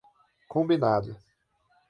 Combinado